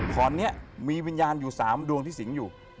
ขอนนี้มีวิญญาณอยู่๓ดวงที่สิงห์อยู่